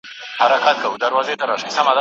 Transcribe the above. پر ښار ختلې د بلا ساه ده